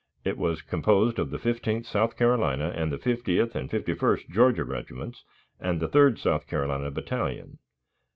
It was composed of the Fifteenth South Carolina and the Fiftieth and Fifty first Georgia Regiments and Third South Carolina Battalion.